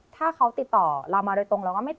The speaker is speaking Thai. ถ้าเขาติดต่อเรามาโดยตรงเราก็ไม่